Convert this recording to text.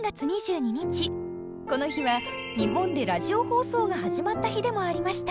この日は日本でラジオ放送が始まった日でもありました。